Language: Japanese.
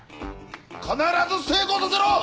必ず成功させろ！